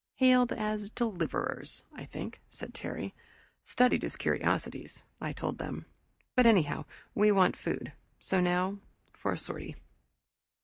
"Hailed as deliverers, I think," said Terry. "Studied as curiosities," I told them. "But anyhow, we want food. So now for a sortie!"